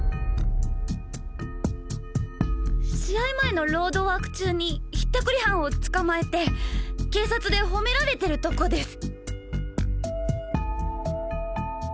試合前のロードワーク中にひったくり犯をつかまえて警察で褒められてるとこです！